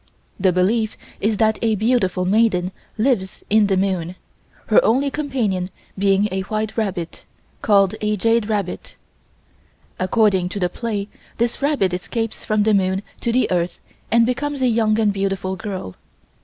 The belief is that a beautiful maiden lives in the moon, her only companion being a white rabbit, called a Jade Rabbit. According to the play this rabbit escapes from the moon to the Earth and becomes a young and beautiful girl.